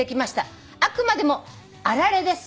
「あくまでもあられです。